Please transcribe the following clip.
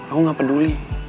aku gak peduli